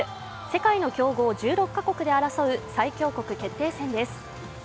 世界の強豪１６カ国で争う最強国決定戦です。